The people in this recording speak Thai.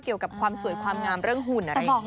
เกี่ยวกับความสวยความงามเรื่องหุ่นอะไรอย่างนี้